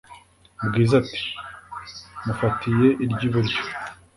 bwiza ati"mufatiye iryiburyo "